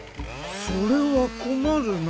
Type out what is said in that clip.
それはこまるな。